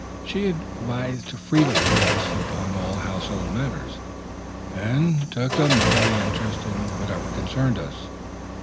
She advised freely with us upon all household matters, and took a motherly interest in whatever concerned us.